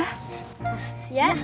jangan sampai ada yang tau ya